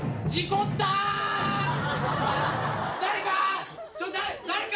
誰か！